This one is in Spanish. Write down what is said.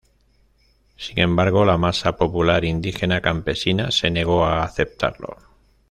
Sin embargo, la masa popular indígena campesina se negó a aceptarlo.